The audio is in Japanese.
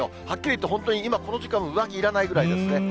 はっきり言って本当に今、この時間、上着いらないぐらいですね。